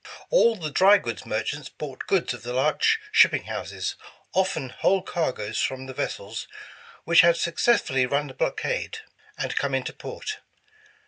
All the dry goods merchants bought goods of the large shipping houses, often whole cargoes from the vessels which had successfully run the blockade, and come into port.